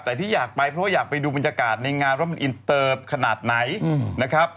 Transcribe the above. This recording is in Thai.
แต่ที่อยากไปเพราะว่าอยากไปดูบรรยากาศในงานว่ามันอินเตอร์ขนาดไหนนะครับ